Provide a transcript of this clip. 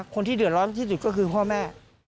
คนที่เดือดร้อนที่สุดก็คือพ่อแม่